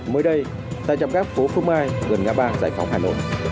mới đây tại trạm gác phố phương mai gần ngã ba giải phóng hà nội